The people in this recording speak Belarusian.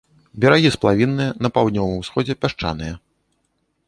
Берагі сплавінныя, на паўднёвым усходзе пясчаныя.